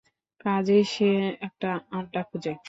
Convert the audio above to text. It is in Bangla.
কাজেই সে একটা আড্ডা খোঁজে।